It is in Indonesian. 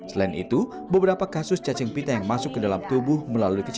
selain itu beberapa kasus cacing pita yang masuk ke dalam tubuh melalui kecil